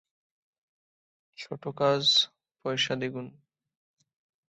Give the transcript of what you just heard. ছোট কাজ, পয়সা দ্বিগুণ।